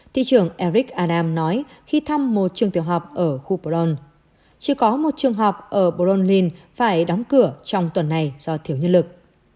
thị trưởng eric aram nói khi thăm một trường tiểu học ở khu boron chỉ có một trường học ở boron linn phải đóng cửa trong tuần này do thiếu nhân lực